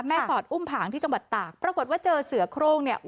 สอดอุ้มผางที่จังหวัดตากปรากฏว่าเจอเสือโครงเนี่ย